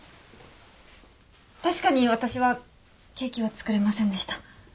確かに私はケーキは作れませんでした。